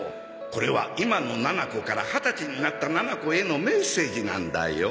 これは今のななこから二十歳になったななこへのメッセージなんだよ。